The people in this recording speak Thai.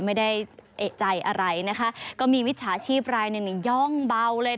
ไม่ได้เอกใจอะไรนะคะก็มีมิจฉาชีพรายหนึ่งย่องเบาเลย